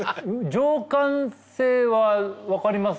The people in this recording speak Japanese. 「情感性」は分かります？